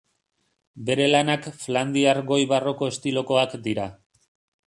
Bere lanak Flandriar Goi Barroko estilokoak dira.